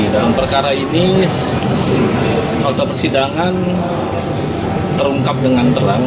dalam perkara ini fakta persidangan terungkap dengan terang